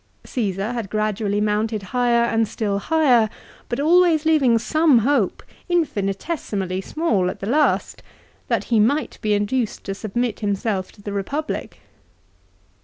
Caesar had gradually mounted higher and still higher but always leaving some hope, infinitesimally small at last, that he might be induced to submit himself to the Eepublic.